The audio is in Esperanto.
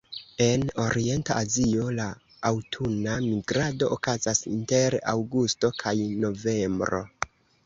En orienta Azio, la aŭtuna migrado okazas inter aŭgusto kaj novembro.